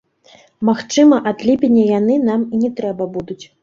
Магчыма, ад ліпеня яны нам і не трэба будуць.